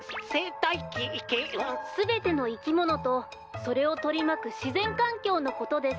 すべてのいきものとそれをとりまくしぜんかんきょうのことです。